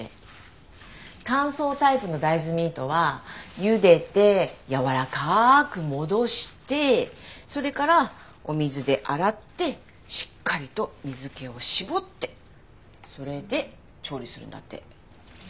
乾燥タイプの大豆ミートはゆでてやわらかく戻してそれからお水で洗ってしっかりと水気を絞ってそれで調理するんだって。